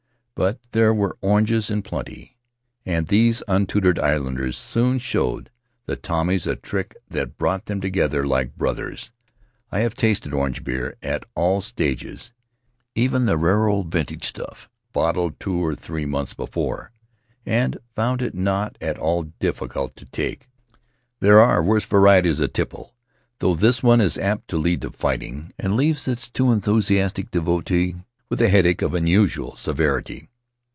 But there were oranges in plenty, and these untutored islanders soon showed the Tommies a trick that brought them together like brothers. I have tasted orange beer at all stages (even the rare old vintage stuff, bottled two or three months before) and found it not at all difficult to take; there are worse varieties of tipple, though this one is apt to lead to fighting, and leaves its too enthusiastic devotee with a headache of unusual severity.